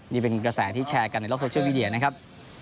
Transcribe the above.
นี่เป็นกระแสที่แชร์กันในโลกโซเชียลมีเดียนะครับ